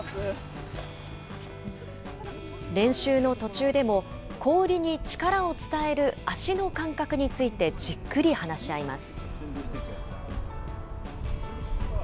練習の途中でも、氷に力を伝える足の感覚について、じっくり話し合います。